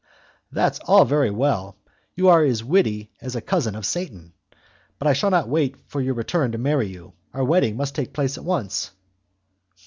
"That's all very well! You are as witty as a cousin of Satan, but I shall not wait your return to marry you; our wedding must take place at once."